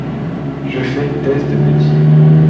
Je fais une thèse de médecine.